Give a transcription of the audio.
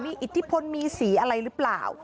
มีอิทธิพลมีสีอะไรหรือเปล่า